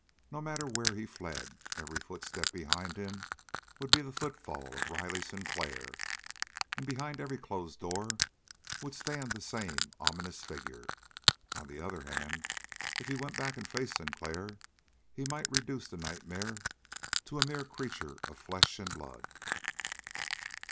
No matter where he fled, every footstep behind him would be the footfall of Riley Sinclair, and behind every closed door would stand the same ominous figure. On the other hand if he went back and faced Sinclair he might reduce the nightmare to a mere creature of flesh and blood.